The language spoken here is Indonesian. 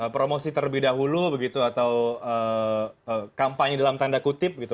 promosi terlebih dahulu begitu atau kampanye dalam tanda kutip gitu